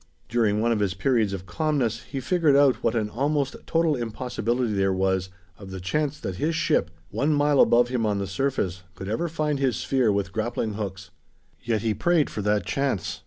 During one of his periods of calmness, he figured out what an almost total impossibility there was of the chance that his ship, one mile above him on the surface, could ever find his sphere with grappling hooks. Yet he prayed for that chance.